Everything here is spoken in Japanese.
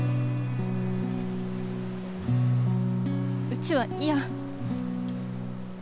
うちは嫌。